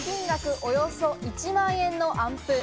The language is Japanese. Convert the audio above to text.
およそ１万円のアンプ。